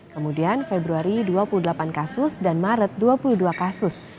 kemudian februari dua puluh delapan kasus dan maret dua puluh dua kasus